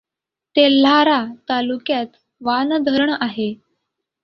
तेल्हारा तालुक्यात वान धरण आहे.